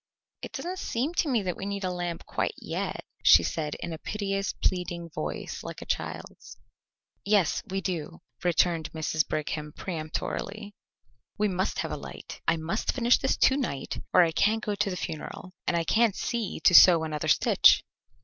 "It doesn't seem to me that we need a lamp quite yet," she said in a piteous, pleading voice like a child's. "Yes, we do," returned Mrs. Brigham peremptorily. "We must have a light. I must finish this to night or I can't go to the funeral, and I can't see to sew another stitch."